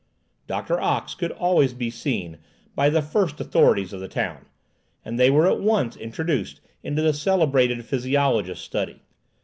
Doctor Ox could always be seen by the first authorities of the town, and they were at once introduced into the celebrated physiologist's study.